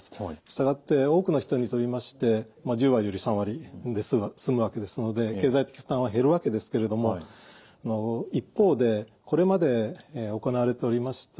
従って多くの人にとりまして１０割より３割で済むわけですので経済的負担は減るわけですけれども一方でこれまで行われておりました